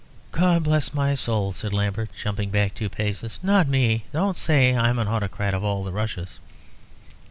"God bless my soul!" said Lambert, jumping back two paces. "Not me. Don't say I'm autocrat of all the Russias."